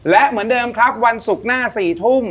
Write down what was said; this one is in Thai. และเหมือนเดิมครับวันศุกร์หน้า๔ทุ่ม